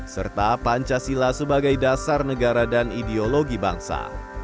serta pancasila sebagai dasar negara dan ideologi bangsa